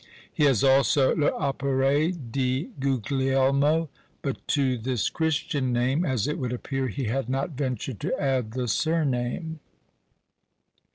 '" He has also "Le opere di Guglielmo;" but to this Christian name, as it would appear, he had not ventured to add the surname.